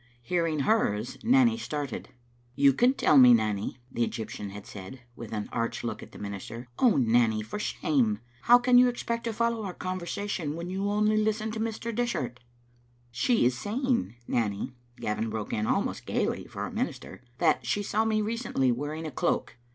Hearing hers Nanny started. "You can tell me, Nanny," the Egyptian had said, with an arch look at the minister. "Oh, Nanny, for shame! How can you expect to follow our conversa tion when you only listen to Mr. Dishart?" " She is saying, Nanny," Gavin broke in, almost gaily for a minister, " that she saw me recently wearing a cloak.